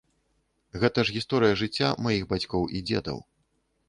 Гэта ж гісторыя жыцця маіх бацькоў і дзедаў.